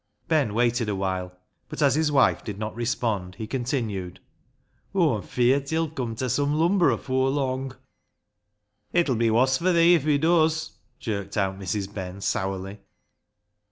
Ben waited a while, but as his wife did not respond, he continued —" Aw'm feart he'll come ta sum lumber afoor lung." " It'll be woss fur thee if he does," jerked out Mrs. Ben sourly.